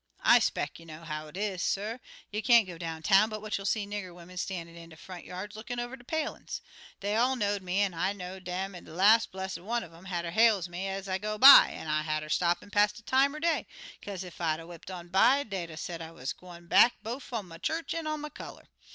"I 'speck you know how 'tis, suh. You can't go down town but what you'll see nigger wimmen stan'in' out in de front yards lookin' over de palin's. Dey all know'd me an' I know'd dem, an' de las' blessed one un um hatter hail me ez I go by, an' I hatter stop an' pass de time er day, kaze ef I'd 'a' whipt on by, dey'd 'a' said I wuz gwine back bofe on my church an' on my color.